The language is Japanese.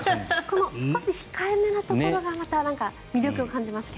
この少し控えめな感じがまた魅力を感じますね。